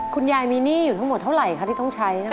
คุณยายมีหนี้อยู่ทั้งหมดเท่าไหร่คะที่ต้องใช้นะคะ